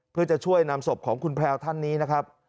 เพื่อจะช่วยนำศพของคุณแพลวท่านนี้นะครับ